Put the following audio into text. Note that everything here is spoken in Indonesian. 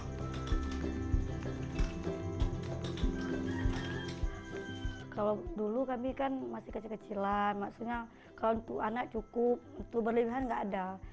kalau dulu kami kan masih kecil kecilan maksudnya kalau untuk anak cukup untuk berlebihan nggak ada